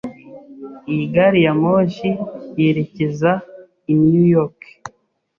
Iyi gari ya moshi yerekeza i New York.